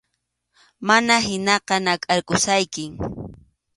Mana hinaqa, nakʼarqusaykim.